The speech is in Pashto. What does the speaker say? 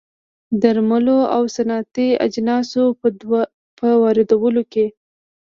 درملو او صنعتي اجناسو په واردولو کې